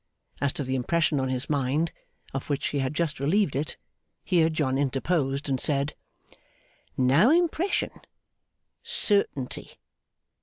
As to the impression on his mind, of which he had just relieved it here John interposed, and said, 'No impression! Certainty!